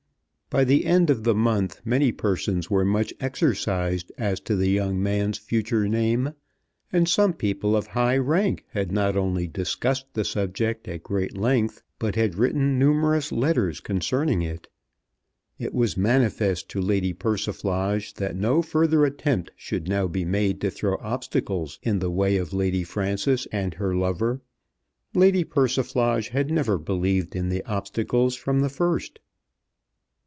By the end of the month many persons were much exercised as to the young man's future name, and some people of high rank had not only discussed the subject at great length, but had written numerous letters concerning it. It was manifest to Lady Persiflage that no further attempt should now be made to throw obstacles in the way of Lady Frances and her lover. Lady Persiflage had never believed in the obstacles from the first.